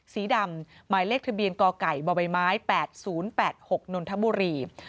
สีดำหมายเลขทะเบียนกไก่บใบไม้๘๐๘๖นนทบุรี